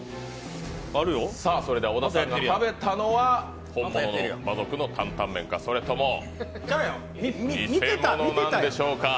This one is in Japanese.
それでは小田さんが食べたのはホンモノ、馬賊の坦々麺かそれとも、偽物なんでしょうか。